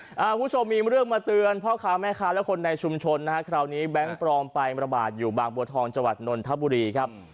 คุณผู้ชมมีเรื่องมาเตือนพ่อค้าแม่ค้าและคนในชุมชนนะฮะคราวนี้แบงค์ปลอมไประบาดอยู่บางบัวทองจังหวัดนนทบุรีครับ